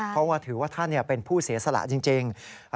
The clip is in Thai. เพราะว่าถือว่าท่านเป็นผู้เสียสละจริง